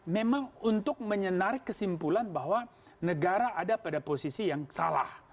memang untuk menyenarik kesimpulan bahwa negara ada pada posisi yang salah